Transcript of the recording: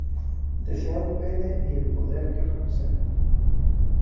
Desea un pene y el poder que representa.